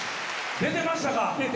出てましたか！